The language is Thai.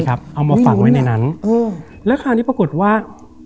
เอามาฝังไว้ในนั้นแล้วคราวนี้ปรากฏว่า